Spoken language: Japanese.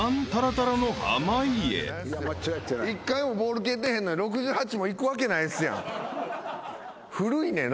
１回もボール蹴ってへんのに６８もいくわけないですやん。